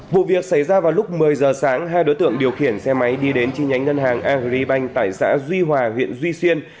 vụ việc xảy ra vào lúc một mươi giờ sáng hai đối tượng điều khiển xe máy đi đến chi nhánh ngân hàng agribank tại xã duy hòa huyện duy xuyên